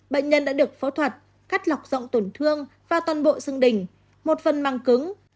bệnh nhân đã được phẫu thuật cắt lọc rộng tổn thương và toàn bộ xương đỉnh một phần màng cứng